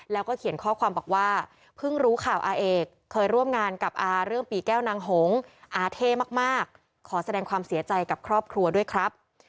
แล้วก็เขียนข้อความบอกว่าเพิ่งรู้ข่าวอาเอกเคยร่วมงานกับอาเรื่องปีแก้วนางหงอาเท่มากขอแสดงความเสียใจกับครอบครัวด้วยครับ